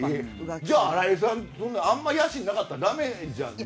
じゃあ新井さんにあんまり野心なかったらだめじゃない？